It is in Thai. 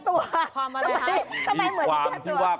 ความอะไรครับทำไมเหมือนแก้ตัวมีความที่ว่า